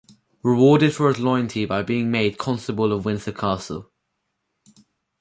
Rewarded for his loyalty by being made Constable of Windsor Castle.